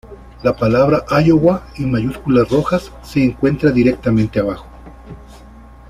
La palabra "Iowa", en mayúsculas rojas, se encuentra directamente abajo.